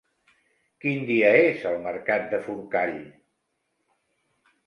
Quin dia és el mercat de Forcall?